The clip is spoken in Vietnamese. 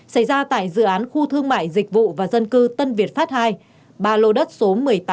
xảy ra tại dự án khu thương mại dịch vụ và dân cư tân việt phát hai ba lô đất số một trăm tám mươi một nghìn chín trăm hai mươi